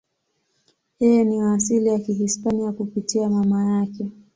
Yeye ni wa asili ya Kihispania kupitia mama yake.